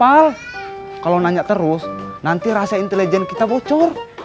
alhamdulillah warung teh tambah rame pak